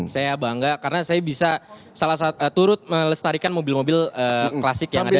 saya bangga karena saya bisa salah satu turut melestarikan mobil mobil klasik yang ada